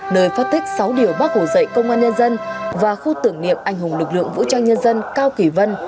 nơi phát tích sáu điều bác hồ dạy công an nhân dân và khu tưởng niệm anh hùng lực lượng vũ trang nhân dân cao kỳ vân